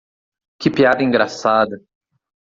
Que piada engraçada